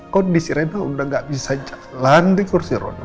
kondisi rena udah gak bisa jalan di kursi roll